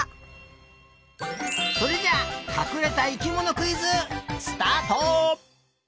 それじゃあかくれた生きものクイズスタート！